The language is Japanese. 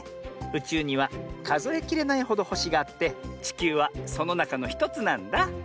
うちゅうにはかぞえきれないほどほしがあってちきゅうはそのなかのひとつなんだ。